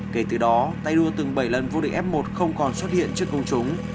kể từ đó tay đua từng bảy lần vô địch f một không còn xuất hiện trước công chúng